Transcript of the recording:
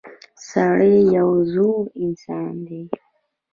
• سړی یو زړور انسان دی.